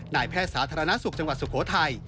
แพทย์สาธารณสุขจังหวัดสุโขทัย